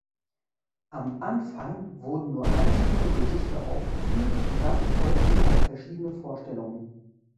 Am Anfang wurden nur einzelne Gedichte aufgeführt und dann folgten auch verschiedene Vorstellungen.